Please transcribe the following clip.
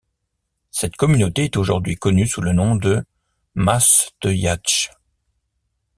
Cette communauté est aujourd'hui connue sous le nom de Mashteuiatsh.